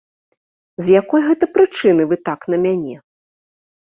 З якой гэта прычыны вы так на мяне?